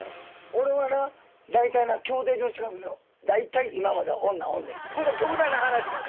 俺はな、大体な、競艇場の近くに、大体、今まで女おんねん。